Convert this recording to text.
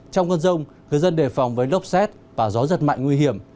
trong cơn rông người dân đề phòng với lốc xét và gió giật mạnh nguy hiểm